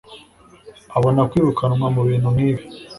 abona kwirukanwa mubintu nkibi.